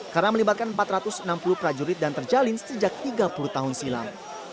karena melibatkan empat ratus enam puluh prajurit dan terjalin sejak tiga puluh tahun silam